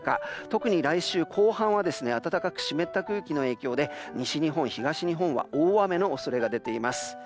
特に来週後半は暖かく湿った空気影響で西日本、東日本は大雨の恐れが出ています。